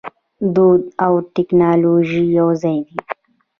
دود او ټیکنالوژي یوځای دي.